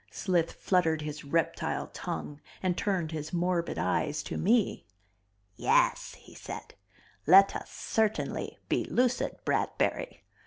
Slith fluttered his reptile tongue and turned his morbid eyes to me. "Yes," he said, "let us, certainly be lucid, Bradbury.